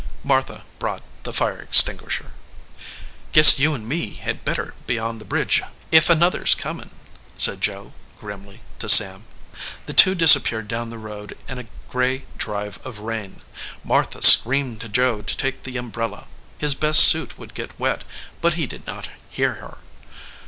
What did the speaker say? Martha brought the fire extinguisher. "Guess you and me had better be on the bridge ef another s comin ," said Joe, grimly, to Sam. The two disappeared down the road in a gray drive of rain. Martha screamed to Joe to take the umbrella, his best suit would get wet, but he did not hear her.